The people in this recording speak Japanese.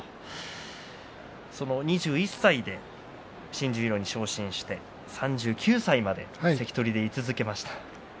２１歳で新十両に昇進して３９歳までに関取で居続けました。